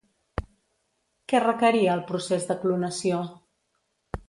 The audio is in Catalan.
Què requeria el procés de clonació?